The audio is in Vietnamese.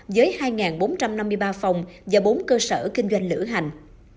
với hai bốn trăm năm mươi ba phòng và bốn cơ sở kinh doanh lữ hành